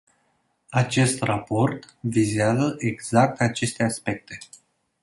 Acest raport vizează exact aceste aspecte.